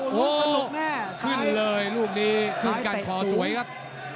โอ้โหขึ้นเลยลูกนี้ขึ้นกันคอสวยครับ